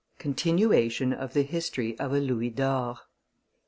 CONTINUATION OF THE HISTORY OF A LOUIS D'OR.